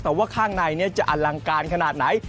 แต่ว่าข้างในจะอลังการขนาดไหน